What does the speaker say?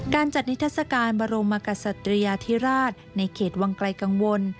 การจัดนิทัศกาลบรมกษัตริยาธิราชในเขตวังไกลกังวล